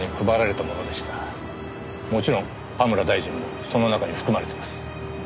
もちろん葉村大臣もその中に含まれてます。